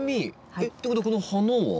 えっということはこの花は？